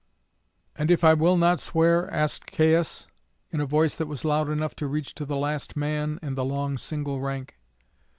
"And if I will not swear?" asked Caius, in a voice that was loud enough to reach to the last man in the long single rank.